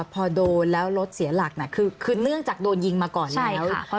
พอโดนแล้วรถเสียหลักคือเนื่องจากโดนยิงมาก่อนแล้ว